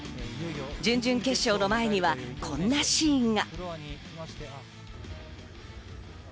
準々決勝の前には、こんなシーンが。